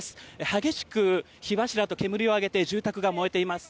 激しく火柱と煙を上げて住宅が燃えています。